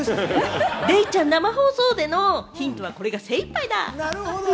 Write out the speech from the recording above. デイちゃん、生放送でのヒントはこれが精一杯だ。